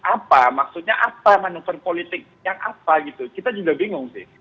apa maksudnya apa manuver politik yang apa gitu kita juga bingung sih